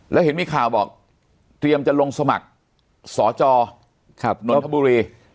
แล้วเห็นมีข่าวบอกเตรียมจะลงสมัครสจนนนทบุรี